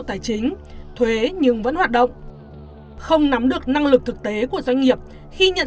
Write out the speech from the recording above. tài chính thuế nhưng vẫn hoạt động không nắm được năng lực thực tế của doanh nghiệp khi nhận